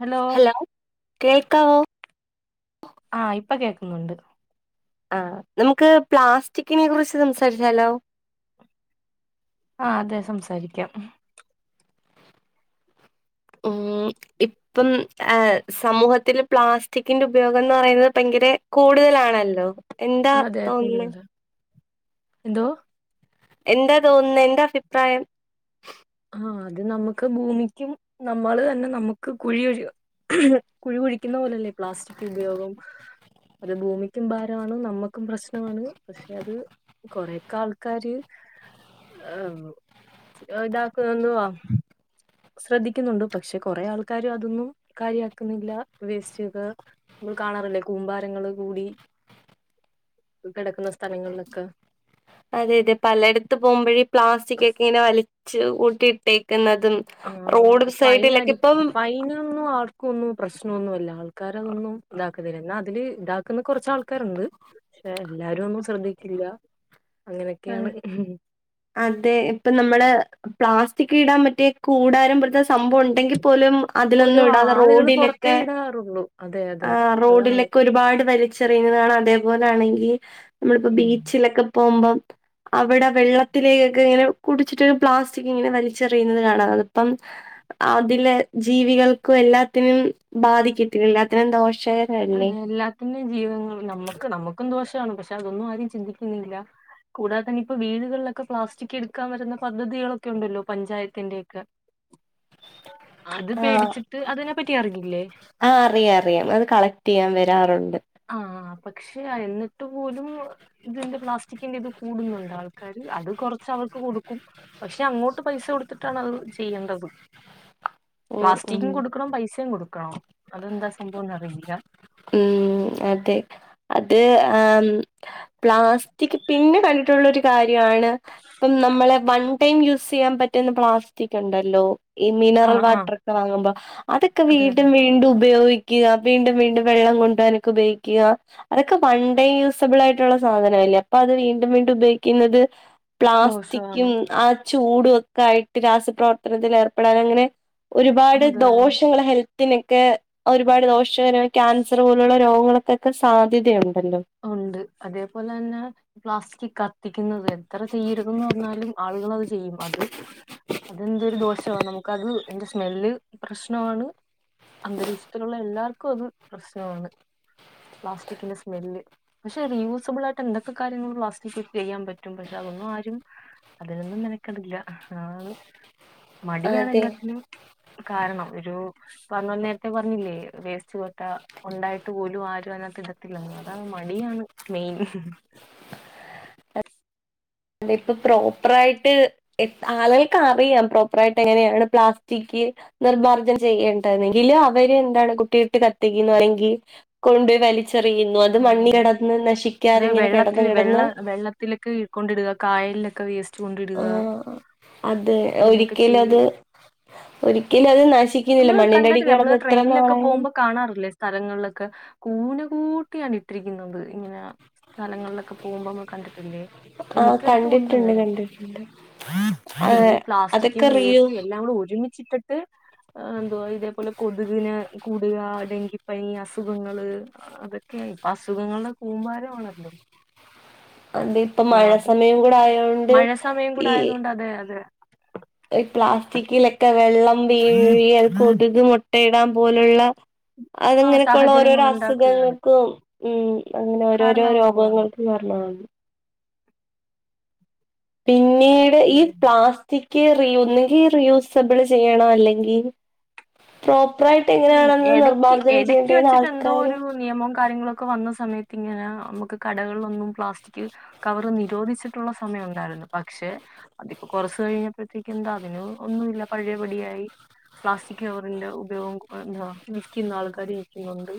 Hello കേൾക്കാവോ ആ ഇപ്പ കേക്കുന്നോണ്ട് ആ നമുക്ക് പ്ലാസ്റ്റിക്കിനെ കുറിച്ച് സംസാരിച്ചാലോ ആഅതെ സംസാരിക്കാം മ് മ് ഇപ്പം അ സമൂഹത്തില് പ്ലാസ്റ്റിക്കിന്റെ ഉപയോഗം എന്ന് പറയുന്നത് ഭയങ്കരെ കൂടുതലാണല്ലോ എന്താ അതെ തോന്നുന്നെ കൂടുതലാ എന്തോ എന്താ തോന്നുന്നേ എന്താ അഭിപ്രായം ആ അത് നമുക്ക് ഭൂമിക്കും നമ്മള് തന്നെ നമുക്ക് കുഴിഒഴു കുഴി കുഴിക്കുന്ന പോലല്ലേ പ്ലാസ്റ്റിക് ഉപയോഗം അത് ഭൂമിക്കും ബാരാണ് നമ്മുക്കും പ്രശ്നവാണ് പക്ഷെ അത് കൊറെക്കെ ആൾക്കാര് [unintelligible] തീന്വാ [inaudible] ശ്രദ്ധിക്കുന്നുണ്ട് പക്ഷെ കൊറെേ ആൾക്കാര് അതൊന്നും കാര്യാക്കുന്നില്ല വേസ്റ്റ് ചെയ്ത് മ്മൾ കാണാറില്ലേ കൂമ്പാരങ്ങൾ കൂടി. കിടക്കുന്ന സ്ഥലങ്ങളിലൊക്കെ അതെ, അതെ, പലെട്ത്ത് പോകുമ്പോഴേ ഈ പ്ലാസ്റ്റിക് ഒക്കെ ഇങ്ങനെ വലിച്ച്. കൂട്ടിയിട്ടേ. എന്നതും ആ റോഡ് സൈഡിലൊക്കെ, ഇപ്പം. ഇപ്പെന്നും പ്രശ്നം നൊന്നുല്ല ആൾക്കാര് അതൊന്നും ഇതാക്ക്ണില്ല ന്നാ.. ഇതില് ഇതാക്കുന്ന കുറെച്ചാൾക്കാരുണ്ട് പക്ഷെ എല്ലാരും ഒന്നും ശ്രദ്ധിക്കില്ല. ആ അങ്ങനെയൊക്കെയാണ് അതെ ഇപ്പൊ നമ്മള് പ്ളാസ്റ്റിം... സ്റ്റിക്ക് ഇടാൻപറ്റൃ കൂടാരം പോൽത്തെ സംഭവം ഉണ്ടെങ്കിൽ പോലും പോലും അതിലൊന്നും ഇടാതെ ആളുകൾ പുറത്തേ റോഡിലൊക്കെ ഇടാറുള്ളൂ അതെ അതെ ആം അതാണ് റോഡിലൊക്കെ ഒരുപാട് വലിച്ച്. എറിയുന്നതാണ് അതേപോലൊണെങ്കിൽ നമ്മളിപ്പോ ഉം ബീച്ചിലൊക്കെ പോകുമ്പേ അവടെ വെള്ളത്തിലേയെക്കെ ഇങ്ങനെ കുടിച്ചിട്ട് പ്ലാസ്റ്റിക് ഇങ്ങനെ വലിച്ചെറിയുന്നത് കാണാം ഇപ്പം. അതിലെ ജീവികൾക്കും എല്ലാത്തിനും ബാധിക്കത്തി എല്ലാത്തിനും ദോഷം. അതെ എല്ലാത്തിനും ജീവിതങ്ങൾ നമ്മുക്ക് നമ്മുക്കും ദോഷാണ്, പക്ഷെ അതൊന്നും ആരും, ചിന്തിക്കുന്നില്ല. കൂടാതെ നിപ്പെ വീടുകളിലൊക്കെ പ്ലാസ്റ്റിക് എടുക്കാൻ വരുന്ന പദ്ധതികളൊക്കെ ഉണ്ടല്ലോ പഞ്ചായത്തിന്റെയക്കെ. [unintelligible] ആ... പേടിച്ചിട്ട് അതിനെപ്പറ്റി അറിഞ്ഞില്ലേ ആ അറിയാം അറിയാം അത് കളക് തിയാൻ വരാറുണ്ട് ആഹ് പക്ഷെ? എന്നിട്ട് പോലും തിന്റെ പ്ലാസ്റ്റിക്കിന്റെ ഇത് കൂടുന്നുണ്ട് ആൾക്കാാര്. അതും കൊറച്ച് അവർക്ക് കൊടുക്കും പക്ഷെ അങ്ങോട്ട് പൈസ കൊടുത്തിട്ടാണ് അതും ചെയ്യേണ്ടത് ഉം ഉം പ്ലാസ്റ്റിക്കും കൊടുക്കെണം പൈസയും കൊടുക്കെണം അതെന്താ സംഭവന്നറിയില്ല. ഉം അതെ അത് പ്ലാസ്റ്റിക് പിന്നെ കണ്ടിട്ടുള്ളരു കാര്യ യാണ്. ഇപ്പം നമ്മൾ വൺ ടൈം യൂ ചെയ്യാൻ പറ്റുന്ന പ്ലാസ്റ്റിക് ഉണ്ടല്ലോ? ഈ മിനറൽ ആഹ് ആഹ് വാട്ടറെക്കെ വാങ്ങുമ്പോ അതൊക്കെ അതെ അതെ വീണ്ടും, വീണ്ടും. ഉപയോഗിക്കുക വീണ്ടും, വീണ്ടും, വെള്ളം കൊണ്ടെവാനൊക്കെ ഉപയോഗിക്കുക. അതൊക്കെ വൺണ്ടേ യൂസബിൾ ആയിട്ടുള്ള. സാധനല്ലേ അപ്പൊ അത് വീണ്ടും വീണ്ടും ഉപയോഗിക്കുന്നത് പ്ലാസ്റ്റിക്കും ദോഷമാണ് ആ ചൂടും ഒക്കായിട്ട് രാസപ്രവർത്തനത്തിൽ ഏർപ്പെടാൻ അങ്ങനെ ഒരുപാട് അതെ ദോഷങ്ങൾ ഹെൽത്തിനൊക്കെ ഒരുപാട് ദോഷകരായ ക്യാൻസർ പോലുള്ള രോഗങ്ങളൊക്കെൊക്കെ സാധ്യതയുണ്ട്. ഉണ്ട് അതേപോലെ തന്നെ പ്ലാസ്റ്റിക് ത്തിക്കുന്നത് എത്ര ചെയ്യരുതെന്ന് പറഞ്ഞാലും ആളുകളത് ചെയ്യും അത് അതെന്റെ ഒരു ദോഷമാണ് നമുക്കത് എ സ്മെല്ല് പ്രശ്നാണ് അന്തരീക്ഷത്തിലുള്ള എല്ലാർക്കും അത് പ്രശ്നമാണ് പ്ലാസ്റ്റിക് ഇന് സ്മെല് പക്ഷെ റീ യൂസബിൾ ആയിട്ട് എന്തൊക്കെ കാര്യങ്ങൾ പ്ലാസ്റ്റിക് ചെയ്യാൻ പറ്റും പക്ഷെ അതെന്നും ആരും അതിനെന്നും മെനക്കെടില്ല ആം മടിയാണ് അതെ എല്ലാത്തിനും കാരണം ഒരു പ്പമ്മൾ നേരത്തെ പറഞ്ഞില്ലേ വേസ്റ്റ് കൊട്ട ഉണ്ടായിട്ട് പോലും ആരും അയിനകത്ത് ടത്തില്ലെന്ന് അതാ മടിയാണ് മെയിൻ അതിപ്പൊ പ്രോപ്പറായിട്ട്, എ ആളുകൾക്ക് അറിയാം. പ്രോപ്പറാ യിട്ട് എങ്ങനെയാണ് പ്ലാസ്റ്റിക്. നിർ്മാർജ്ജം ചെയ്യേണ്ടരുന്നെങ്കിൽ അവര് എന്താണ് കുട്ടിട്ട് കത്തിുകന്ന്ണെങ്കിൽ കൊണ്ടുപയി വലി ചെറിയുന്നു അത് മണ്ണി ആഹ് കിടന്ന് നശിക്കാത അതെ ഇങ്ങനെ കിടന്ന് വെള്ളത്തില് വെള്ള കിടന്ന്. വെള്ളത്തിലൊക്കെ കൊണ്ടിടുക കായലിലൊക്കെ വെസ്റ്റ് ആ അത് ഇങ്ങനെയൊക്കെ ഒരിക്കലും അത് ചെയ്യുക ഒരിക്കലും അത് നാശിക്കുന്നില്ല നമ്മള് മണ്ണിന്റെ അടി കണ്ടിട്ടില്ലേ നമ്മള് കിടന്ന് എത്ര ട്രെയിനിലൊക്കെ നാളാലും പോകുമ്പോ കാണാറില്ലേ സ്ഥലങ്ങളിലൊക്കെ കൂന് കൂട്ട കുപ്പിയാണ് ഇട്ടിരിക്കുന്നത് ഇങ്ങനെ സ്ഥലങ്ങളിലൊക്കെ പോകുമ്പോ നമ്മൾ കണ്ടിട്ടില്ലേ ആഹ് എനിക്കടുത്തും ഉണ്ട് കണ്ടിട്ടുണ്ട് അങ്ങനെ കണ്ടിട്ടുണ്ട് പിന്നെ പ്ലാസ്റ്റിക്കും അതൊക്കെ റിയൂ വേസ്റ്റും എല്ലാം കൂടെ ഒരുമിച്ച് ചിക്കട്ട് എന്ത്വ ഇതേപോലെ കൊത്കിനെ കൂടുക ഡെങ്കിപ്പനി അസുഖങ്ങള് അതെ ക്കെ ഇപ്പൊ അസുഖങ്ങള്ടെ കൂമ്പാരണല്ലൊ അത് ഇപ്പ മഴ ന്നാക് സമയം കൂടെ ആയോണ്ട് മഴ സമയം ഈ കുടെ ആയത് കൊണ്ട് അതെ അതെ പ്ലാസ്റ്റിക്കിലൊക്കെ [unintelligible] കൊതുക് മൊട്ടയിടാൻ പോലുള്ള ആ അത്ങ്ങനെക്കൊള്ള സാഹചര്യങ്ങൾ ഓരോരൊ ഉണ്ടാക്കുകയാണ് അസുഖങ്ങൾക്കും ഉം അങ്ങനെ ഓരോരൊ കാരണമാവുകയാണ് രോഗങ്ങൾക്കും കർണ പിന്നീട് ഈ അതെ പ്ലാസ്റ്റിക് ക്കെ ഒന്നുകി റിയൂസബ്ൾ ചെയ്യണം അല്ലെങ്കി ഉം എടക്ക് എടക്ക് വച്ച്ട്ട് എന്തോ ആൾക്കാര് ഒര് നിയമവും കാര്യങ്ങളൊ ക്കെ വന്ന സമയത്തിങ്ങനെ ഞമ്മക്ക് കടകളിലൊന്നും പ്ലാസ്റ്റിക് കവർ നിരോധിച്ചിട്ടുള്ള സമയം ഉണ്ടായിരുന്നു പക്ഷെ അതിപ്പൊ കൊറഷ് കഴിഞ്ഞപ്പൾത്തേക്കെന്താ അതിന് ഒന്നുല്ല പഴെപടിയായി പ്ലാസ്റ്റിക് കവറിന്റെ ഉപയോഗം ന്താ വിക്ക്ന്ന ആൾക്കാര് വിക്കുന്നുണ്ട്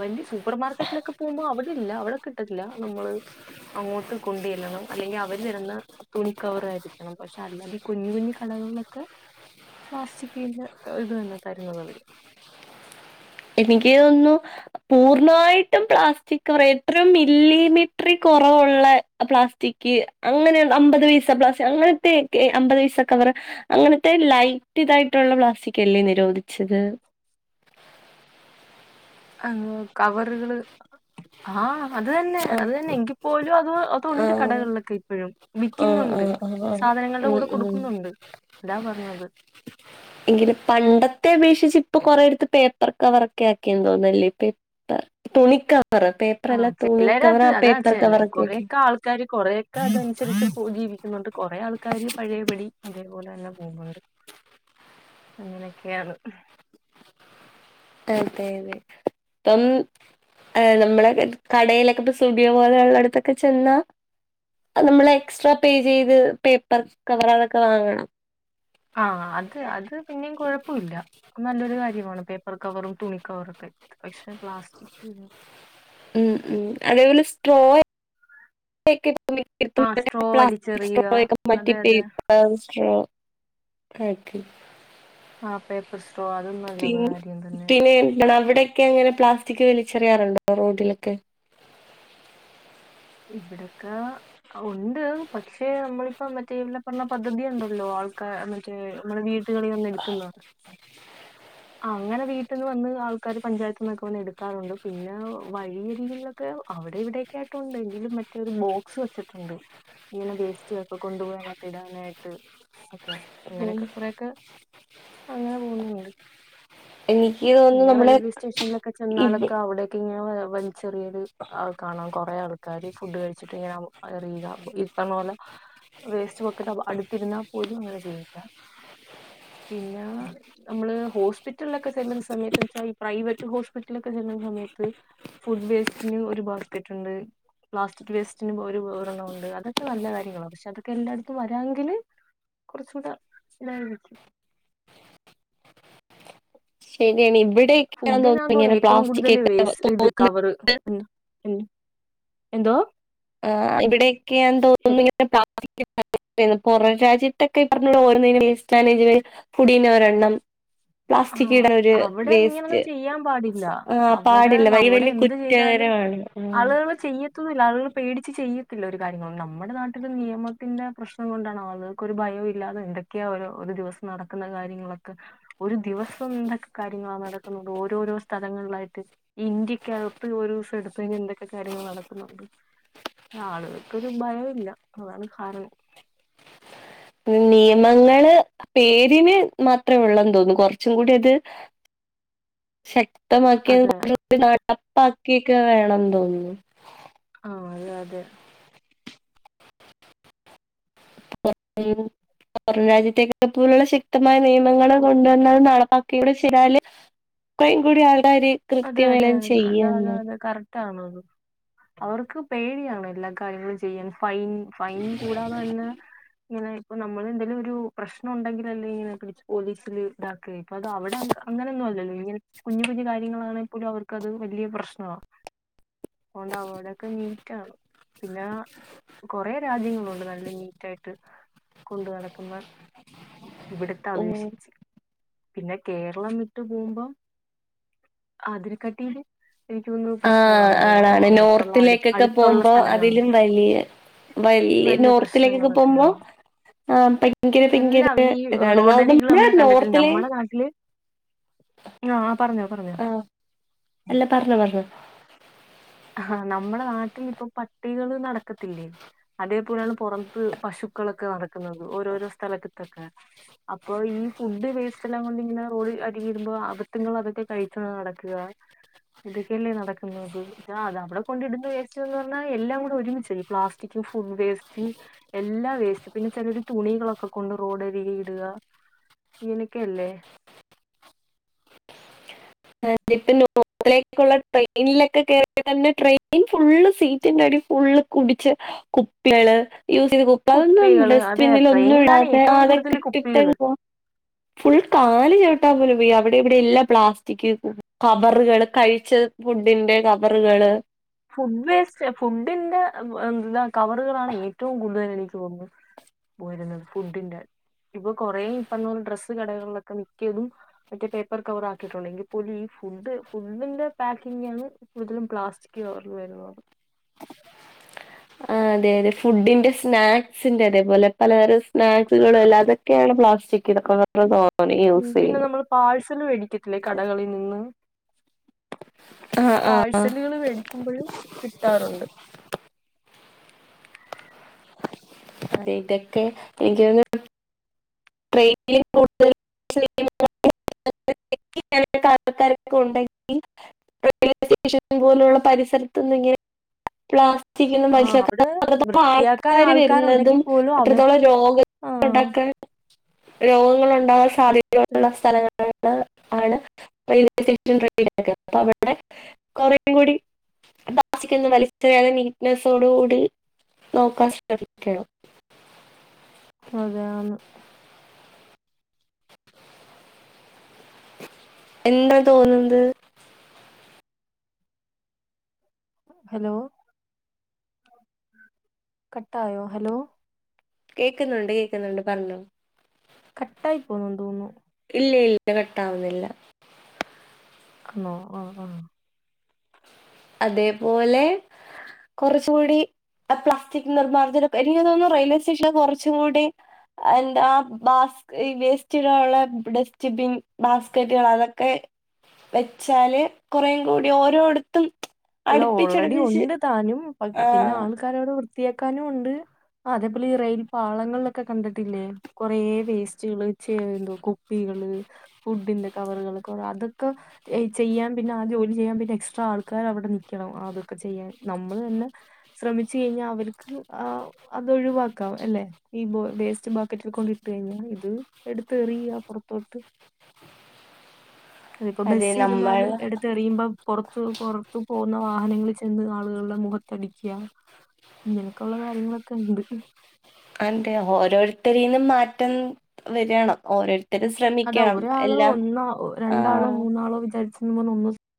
വല്യ സുഖ സൂപ്പർമാർക്കറ്റ്ലൊക്കെ പോവുമ്പൊ അവടെ ഇല്ല അവിടെ കിട്ടത്തില്ല നമ്മള് അങ്ങോട്ട് കൊണ്ട്വല്ലണം അല്ലെങ്കി അവര്തരുന്ന തുണിക്കവറായിരിക്കണം പക്ഷെ അല്ലാതെ കുഞ്ഞു കുഞ്ഞു കള നമ്മക്ക് പ്ലാസ്റ്റികിന്റെ ഇത് തന്നെ തരുന്നത് അവര് എനിക്കോന്ന്ന്നു പൂർണ്ണായിട്ടും പ്ലാസ്റ്റിക്കവറ് എത്രൊ മില്ലിമീറ്റ്റികൊ കൊറവുള്ള പ്ലാസ്റ്റിക്ക് അങ്ങനെ അമ്പത് പയ്സ പ്ലാസി അമ്പത് പൈസ കവറ് അങ്ങനത്തെ ലൈറ്റ്തായിട്ടുള്ള പ്ലാസ്റ്റികല്ലെ നിരോധിച്ചത് അങ കവറ്കള് ആഹ് അത് തന്നെ ആ അത് തന്നെ എങ്കിപ്പോലും അത് ആ അതുണ്ട് കടകളിലൊക്കെ ഇപ്പഴും ആ ആ വിക്ക്ന്നുണ്ട് ആ ആ സാധനങ്ങള്ടെ ഉം കൂടെ ഉം കൊടുക്കുന്നുണ്ട് അല്ലാ പറഞ്ഞത് എങ്കിലും പണ്ടത്തെ അപേക്ഷിച്ച് ഇപ്പൊ കൊറേട്ത്ത് പേപ്പർ കവറൊക്കെ ആക്കിയെന്ന് തോന്ന്ന്നല്ലെ പേപ്പർ തുണിക്ക ആഹ് ചെലരത് അതാ ചെ കവറൊക്കെ ആക്കി കൊറേക്കെ ആൾക്കാര് കൊറേക്കെ അതന്സരിച്ച് പൊ ജീവിക്കുന്നുണ്ട് കൊറേ ആൾക്കാര് പഴെപടി അതേപോലന്നെ പോക്ണ്ണ്ട് അങ്ങനെക്കാണ് ക്കാൽതേദ് തൊൻ ഏഹ് നമ്മളെ കടയിലൊക്കെ ഇപ്പ സുബിയ പോലെള്ളട്ത്തൊക്കെ ചെന്നാ നമ്മള് എക്സ്ട്രാ പേ ചെയ്ത് പേപ്പർ കവർ അതൊക്കെ വാങ്ങണം ആഹ് അത് അത് പിന്നെം കൊഴപ്പല്ല നല്ലൊരു കാര്യ പേപ്പർ കവറും തുണി കവറൊക്കെ പക്ഷെ പ്ലാസ്റ്റിക് ഉം ഉം അതെപോലെ സ്ടോയൊക്ക ആ സ്ട്രോ [unintelligible] സ്ട്രോ വലിച്ചെറിയുക അതെ അതെ ആക്കി ആഹ് പേപ്പർസ് പിൻ പിന്നെ എന്താണ് അവ്ടെ ക്കങ്ങനെ പ്ലാസ്റ്റിക് വലിച്ചെറിയാറുണ്ടൊ? റോട്ടിലൊക്കെ ഇവിടൊക്ക ഉണ്ട് പക്ഷെ നമ്മളിപ്പ മറ്റേ പറഞ്ഞ പദ്ധതി ണ്ടല്ലൊ ആൾക്ക മറ്റേ നമ്മളെ വീട് എട്ക്ക്ന്ന അങ്ങന വീ വന്ന് ആൾക്കാറ് പഞ്ചായത്ത്ന്നൊക്കെ വന്ന് എട്ക്കാറുണ്ട് പിന്നെ വഴിയരികിലൊക്കെ അവടെ ഇവടെയൊക്കായിട്ടുണ്ട് ല് മറ്റൊരു ബോക്സ് വച്ചിട്ടുണ്ട് ഇങ്ങനെ വേസ്റ്റൊക്കെ കൊണ്ടുപോയിനകത്തിടാനായിട്ട് ഉം അങ്ങനെയൊക്കെ കൊറേക്കെ അങ്ങനെ പോവുന്നുണ്ട് എനിക്ക് തോന്നുന്നു പിന്നെ നമ്മള് റെയിൽവേ സ്റ്റേഷനിലൊക്കെ ഇവ് ചെന്നാലൊക്കെ അവിടെക്കെങ്ങനെ വ ചെറിയൊര് ആൾക്കാണോ കൊറേ ആള് ക്കാരി ഫുഡ് കഴിച്ചിട്ടിങ്ങനെ എറിയുക ഇപ്പം പോലെ വേസ്റ്റ് ബക്കറ്റ് അട്ത്തിരുന്നാ പോലും ഇങ്ങനെ ചെയ്യില്ല പിന്നാ നമ്മള് ഹോസ്പിറ്റ്ലൊക്കെ ചെല്ല്ന്ന സമയത്ത് ഈ പ്രൈവറ്റ് ഹോസ്പിറ്റലൊക്കെ ചെല്ല്ന്ന സമയത്ത് ഫുഡ് വേസ്റ്റിന് ഒരു ബാസ്കറ്റ് ഉണ്ട് പ്ലാസ്റ്റിക് വേസ്റ്റിന് ഒരു വേറെന്നമുണ്ട് അതൊക്കെ നല്ല കാര്യങ്ങളാണ് പക്ഷെ അതൊക്കെ എല്ലായിടത്തും വരാമെങ്കില് കുറച്ചു കൂടെ എായിക്ക [unintelligible] [inaudible] ശരിയാണ് ഇവിടെയൊക്കെയാന്ന് ഫുഡിനാ തോന്നുന്നു തോന്നുന്നത് ഇങ്ങനെ ഏറ്റവും പ്ലാസ്റ്റിക് കൂടുതൽ ഒക്കെ വേസ്റ്റ് തോ ഇത് കവറ് എന്തോ ആ ഇവിടെയൊക്കെ [unintelligible] ഞാൻ ഹെ- തോന്നുന്നു ഇങ്ങനെ പ്രാർത്ിക്ക പുറ രാജ്യത്തൊക്കെ [unintelligible] ഈ പറഞ്ഞോ ഓരോുംസ്ാന ഫുടീ ഒരെണ്ണം ആ പ്ലാസ്റ്റിക്കിട ഒരു അവിടെ വേസ്റ്റ് ഇങ്ങനൊന്നും ചെയ്യാൻ പാടില്ല ആ അവിടെ പാടില്ല വലിയ നമ്മടെ വലിയ എന്ത് ചെയ്തലും കുറ്റകരമാണ് ആളുകൾ ചെയ്യത്തോന്നില്ല ആളുകൾ പേടിച്ച് ചെയ്യത്തില്ല ഒരു കാര്യങ്ങളും നമ്മുടെ നാട്ടിൽ നിയമത്തിന്റെ പ്രശ്നം കൊണ്ടാണ് ആളുകൾക് ഒരു ഭായോവില്ലാതെ ക്ക ഒരു ദിവസം നടക്കുന്ന കാര്യങ്ങളൊക്കെ ഒരു ദിവസം എന്തൊക്കെ കാര്യങ്ങളാണ് നടക്കുന്നത് ഓരോരോ സ്ഥലങ്ങളിലായിട്ട് ഇന്ത്യക്കകത് [unintelligible] പ്പെയിന്എന്തൊക്കെ കാര്യങ്ങൾ നടക്കുന്നുണ്ട് ആളുകൾക്കൊരു ഭയവില്ല അതാണ് കാരണം നിയമങ്ങൾ പേരിന് മാത്രേ ഉള്ളെന്ന് തോന്നുന്നു കൊറച്ചും കൂടി അത് ശക്തമാക്കിയത് അതെ [unintelligible] നടപ്പാക്കിക്കെ വേണം തോന്നുന്നു ആ അതെ അതെ [unintelligible] പൊറം രാജ്യത്തക്കെ പോലുള്ള ശക്തമായ നിയമങ്ങൾ ഉ- കൊണ്ടുവന്നാ നടപ്പാ ഇടെ ചിലല് കുറയും കൂടി ആൾക്കാര് അതെ കൃത്യം അതെ എല്ലാം അതെ അതെ ചെയ്യുന്നു [unintelligible] അവർക്ക് പേടിയാണ് എല്ലാ കാര്യങ്ങളും ചെയ്യാൻ ഫൈൻ ഫൈൻ കൂടാതെ തന്നെ ഇങ്ങനെ ഇപ്പൊ നമ്മൾ എന്തേലും ഒരു പ്രശ്നം ഉണ്ടെങ്കിൽല്ലേ ഇങ്ങനെക്കെ വിളിച്ചു പോലീസില് ഇതാക്ക അപ്പ അത് അവിടെ അങ്ങനൊന്നല്ലോ ഇങ്ങനെ കുഞ്ഞു കുഞ്ഞു കാര്യ- - കാര്യങ്ങളാണെ പോലും അവർക്ക്ത് വലിയ പ്രശ്നമാണ് അതോണ്ട് അവരൊക്കെ നീറ്റാണ് പിന്നെ കൊറെ രാജ്യങ്ങളുണ്ട് നല്ല നീറ്റ് ആയിട്ട് കൊണ്ട് നടക്കുന്ന ഇവിടത്തെ ഉം അപേക്ഷിച്ച് പിന്നെ കേരളം വിട്ട് പോകുമ്പം അതിനെ കട്ടിയില് ആ ആണാണ് അടു നോർത്തിലേക്കൊക്കെ അടുത്തുള്ള പോകുമ്പോ സ്ഥലങ്ങളിൽ അതിലും വലിയ വല്യ വലിയ നോർത്തിലേക്കൊക്കെ പ്രശ്നങ്ങളൊക്കെയാണ് പോകുമ്പോ ആ ഭയങ്കര എല്ലാം ഭയങ്കര ഈ താണ് അത് റോഡരികിൽ നമ്മളെ നമ്മൾ കണ്ടിട്ടില്ലേ നോർത്തിലെ നമ്മുടെ നാട്ടില് ആ പറഞ്ഞോ പറഞ്ഞോ ആ അല്ല പറഞ്ഞോ പറഞ്ഞോ ആ നമ്മുടെ നാട്ടിൽ ഇപ്പൊ പട്ടികൾ നടക്കത്തില്ലേ അതേപോലെയാണ് പുറത്ത് പശുക്കളൊക്കെ നടക്കുന്നത് ഓരോരോ സ്ഥലത്ത് അപ്പൊ ഈ ഫുഡ്‌ വേസ്റ്റ് എല്ലാം കൊണ്ട് ഇങ്ങനെ റോഡ് അരികി ഇടുമ്പോ അതിട്ടങ്ങൾ അതൊക്കെ കഴിക്കുക നടക്കുക ഇതൊക്കെയല്ലേ നടക്കുന്നത് ആ അത് അവിടെ കൊണ്ട് ഇടുന്ന വേസ്റ്റ് എന്ന് പറഞ്ഞാൽ എല്ലാം കൂടെ ഒരുമിച്ച് പ്ലാസ്റ്റിക് ഫുഡ് വേസ്റ്റ് എല്ലാ വേസ്റ്റ് പിന്നെ ചിലരു തുണികളൊക്കെ കൊണ്ട് റോഡരികെ ഇടുക ഇങ്ങനൊക്കെ അല്ലേ ഇപ്പ നോർത്തിലെക്കുള്ള ട്രെയിനിലൊക്കെ കേയറി തന്നെ ട്രെയിൻ ഫുള്ള് സീറ്റിന്റെറ അടി ഫുള്ള് കുടിച്ച കുപ്പികള് യൂസ് ചെയ്ത് കുൂപ്പ അതൊന്നും കുപ്പികള് അതെ ഡസ്റ്റ്ബിിനില ഒന്നും ട്രെയിനിലാണ് ഇടാതെ ഏറ്റവും കൂടുതൽ അതൊക്കെ കുപ്പികള് ഇട്ടിട്ട [inaudible] ഫുൾ കാല് ചവിട്ടാ പോലെ വയ്യാ അവിടെ ഇവിടെ എല്ലാ പ്ലാസ് റ് കവറുകള് കഴിച്ച ഫുഡിന്റെ കവറുകള് ഫുഡ് വേസ്റ്റ് ഫുഡിന്റെ എന്താ കവറുകളാണ് ഏറ്റവും കൂടുതൽ തോന്നുന്നു. പോരുന്നത് ഫുഡിന്റെ ഇപ്പൊ കുറേ ഇപ്പറഞ്ഞ പോലെ ഡ്രസ്സ് കടകളിലൊക്കെ മിക്കിയതും മറ്റേ പേപ്പർ കവർ ആക്കിയിട്ടുണ്ട്. എങ്കിൽ പോലും ഈ ഫുഡ് ഫുഡിന്റെ പാക്കിംഗാണ് കൂടുതലും പ്ലാസ്റ്റിക് ക്കോറിൽ വരുന്നത്. ആ അതെ അതെ ഫുഡിന്റെ സ്നാക്സിന്റെ അതേപോലെ പലതരം സ്നാക്സുകളും അല്ല അതൊക്കെയാണ് പ്ലാസ്റ്റിക് ഇതക്കെ നല്ലതോ ഉം പിന്നെ നമ്മള് പാഴ്സൽ മേടിക്കത്തില്ലേ കടകളിൽ നിന്ന് ആഹ് ആഹ് പാഴ്സലുകള് മേടിക്കുമ്പോഴും കിട്ടാറുണ്ട്. അതെ ഇതൊക്കെ എനിക്കു തോന്നുന്നു [inaudible] ക്കാരൊക്കെ ഉണ്ടെങ്കി റെയിൽവേ സ്‌റ്റേഷൻ പോലുള്ള പരിസരത്തന്ന് ഇങ്ങനെ പ്ലാസ് ആ [unintelligible] അവിടെ അത്രത്തോളം വൃത്തിയാക്കാൻ ആൾക്കാര് വരുന്നതും ആൾക്കാരുണ്ടെങ്കിൽ പോലും അവർ അത്രത്തോളം രോഗ ആ ഉണ്ടാക്കാൻ രോഗങ്ങൾ ഉണ്ടാകാൻ സാധ്യതയുള്ള സ്ഥലങ്ങളാണ്. ങ്ങള് ആണ് റെയിൽവേ സ്റ്റേഷൻ [unintelligible] ഒക്കെ അപ്പ അവിടെ കൊറേം കൂടി [unintelligible] പ്ലാസ്റ്റിക് വലിച്ചെറിയാതെ നീറ്റ്നെസ്സോടുകൂടി നോക്കാൻ ശ്രമിക്കണം അതെ ആന്ന്. എന്താ തോന്നുന്നത്. ഹലോ കട്ടായോ ഹലോ കേക്കുന്നുണ്ട് കേക്കുന്നുണ്ട് പറഞ്ഞോ. കട്ടായി പോവുന്നൂന്ന് തോന്നുന്നു. ഇല്ല ഇല്ല കട്ടാവുന്നില്ല. ആന്നോ. ആ ആ അതേപോലെ കുറച്ചു കൂടി പ്ലാസ്റ്റിക് നിർമ്മാർ്ജന എനിക്ക് തോന്നുന്നു റെയിൽവേ സ്റ്റേഷനൊക്കെ കുറച്ചു കൂടി എന്താ ബാസ് വേസ്റ്റിടാനുള്ള ഡസ്റ്റ്ബിൻ ബാസ്കറ്റുകൾ അതൊക്കെ വെച്ചാല് കെറെയും കൂടി ഓരോടത്തും അല്ല ഓൾറെഡി അടുപ്പിച്ചടുപ്പിച്ച് ഉണ്ട് താനും. ആ പിന്നെ ആൾക്കാരോട് വൃത്തിയാക്കാനും ഉണ്ട്. ആ അതേപോലെ ഈ റെയിൽ പാളങ്ങളിലൊക്കെ കണ്ടിട്ടില്ലേ. കൊറേ വേസ്റ്റുകള് ച്ച് എന്തോ കുപ്പി കള് ഫുഡിൻ്റെ കവറുകള് കൊറേ അതൊക്കെ ചെയ്യാൻ പിന്നെ ആ ജോലി ചെയ്യാൻ പിന്നെ എസ്ട്രാ ആൾക്കാ ർ അവിടെ നിക്കണം. അതൊക്കെ ചെയ്യാൻ. നമ്മൾ തന്നെ ശ്രമിച്ചു കഴിഞ്ഞാ അവർക്ക് ആ അതു ഒഴിവാക്കാം അല്ലെ ഈ വേസ്റ്റ് ബാസ്ക്കറ്റിൽ കൊണ്ടിട്ട് കഴിഞ്ഞാ. ഇത് എടുത്തെറിയാ പുറത്തോട്ട് അതിപ്പോ അതെ ബസ് നമ്മൾ ഇരുന്നാലും എടുത്ത് എറിയുമ്പോ പുറത്ത് പുറത്ത് തു പോന്ന വാഹനങ്ങളിൽ ചെന്ന് ആളുകളുടെ മുഖത്തടിക്ക ഇങ്ങനൊക്കെ ഉള്ള കാര്യങ്ങളൊക്കെ ഉണ്ട് അതണ്ട് ഓരോരുത്തരീന്നും മാറ്റം വരാണ് ഓരോരു അതാ ഒരാളോ ഒന്നോ രണ്ടാളോ ആ മൂന്നാളോ വിചാരിച്ചന്ന് പറഞ്ഞ് ഒന്നും സം